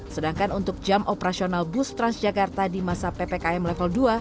sedangkan untuk jam operasional bus transjakarta di masa ppkm level dua